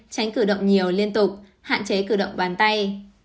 tránh cử động nhiều liên tục hạn chế cử động bàn tay